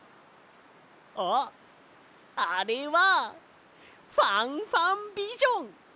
あっあれはファンファンビジョン！